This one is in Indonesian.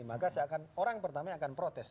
maka orang pertama yang akan protes